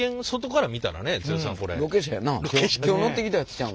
今日乗ってきたやつちゃうん？